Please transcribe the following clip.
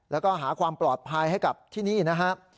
แล้วก็หาความปลอดภัยให้กับที่นี่นะครับ